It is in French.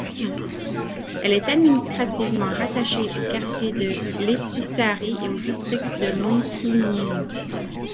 Elle est administrativement rattachée au quartier de Lehtisaari et au district de Munkkiniemi.